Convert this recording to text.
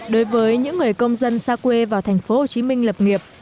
đối với những người công dân xa quê vào tp hcm lập nghiệp